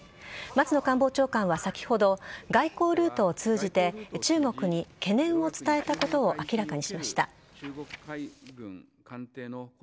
松野官房長官は先ほど外交ルートを通じて中国に懸念を伝えたことを明らかにしました。